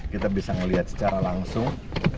kita bisa melihat secara langsung